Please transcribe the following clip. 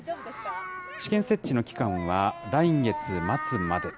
試験設置の期間は来月末までと。